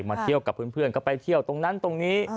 เที่ยวกับเพื่อนก็ไปเที่ยวตรงนั้นตรงนี้